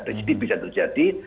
residip bisa terjadi